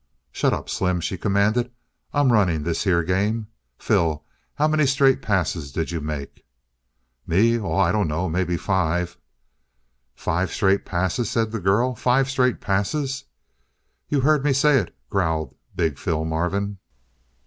"Shut up, Slim!" she commanded. "I'm running this here game; Phil, how many straight passes did you make?" "Me? Oh, I dunno. Maybe five." "Five straight passes!" said the girl. "Five straight passes!" "You heard me say it," growled big Phil Marvin.